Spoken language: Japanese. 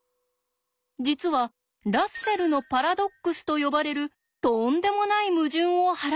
実はラッセルのパラドックスと呼ばれるとんでもない矛盾をはらんでいるのです。